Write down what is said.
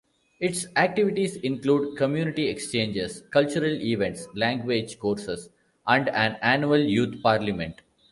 Its activities include community exchanges, cultural events, language courses and an annual youth parliament.